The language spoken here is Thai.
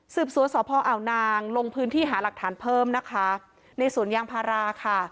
สวนสพอ่าวนางลงพื้นที่หาหลักฐานเพิ่มนะคะในสวนยางพาราค่ะ